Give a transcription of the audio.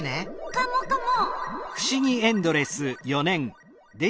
カモカモ。